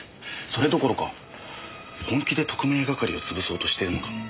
それどころか本気で特命係を潰そうとしてるのかも。